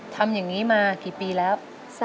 ทำอย่างนี้มากี่ปีแล้ว